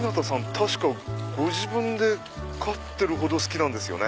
確かご自分で飼ってるほど好きなんですよね？